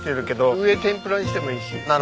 上天ぷらにしてもいいし。